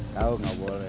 tahu gak boleh